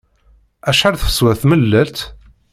Acḥal teswa tmellalt?